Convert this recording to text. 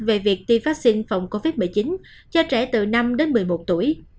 về việc tiêm vaccine phòng covid một mươi chín cho trẻ từ năm đến một mươi một tuổi